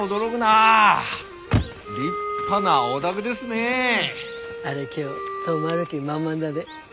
あれ今日泊まる気満々だね。